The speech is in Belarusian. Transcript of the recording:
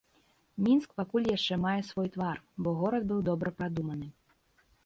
Мінск пакуль яшчэ мае свой твар, бо горад быў добра прадуманы.